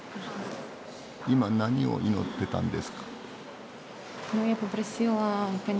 今何を祈ってたんですか？